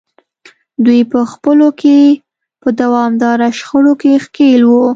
دوی په خپلو کې په دوامداره شخړو کې ښکېل وو.